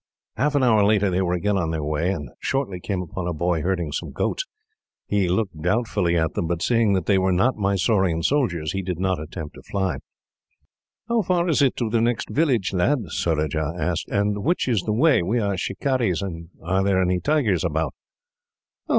Half an hour later, they were again on their way, and shortly came upon a boy herding some goats. He looked doubtfully at them, but, seeing that they were not Mysorean soldiers, he did not attempt to fly. "How far is it to the next village, lad?" Surajah asked; "and which is the way? We are shikarees. Are there any tigers about?"